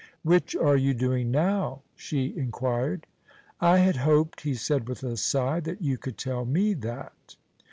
"Which are you doing now?" she inquired. "I had hoped," he said with a sigh, "that you could tell me that."